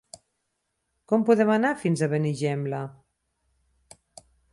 Com podem anar fins a Benigembla?